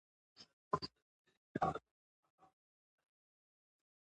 که تاسو د سونا تجربه پیل کوئ، تدریجي حرکت وکړئ.